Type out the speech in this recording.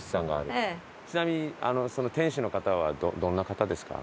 ちなみにその店主の方はどんな方ですか？